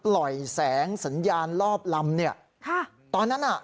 แล้วก็เรียกเพื่อนมาอีก๓ลำ